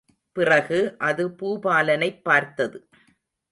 பிறகு அது பூபாலனைப் பார்த்தது.